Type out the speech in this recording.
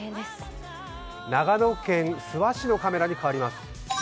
長野県諏訪市のカメラにかわります。